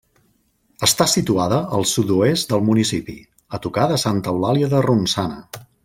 Està situada al sud-oest del municipi, a tocar de Santa Eulàlia de Ronçana.